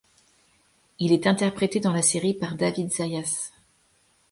Il est interprété dans la série par David Zayas.